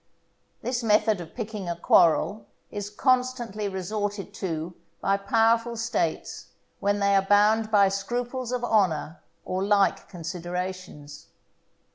This method of picking a quarrel is constantly resorted to by powerful States when they are bound by scruples of honour or like considerations.